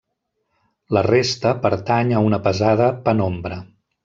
La resta pertany a una pesada penombra.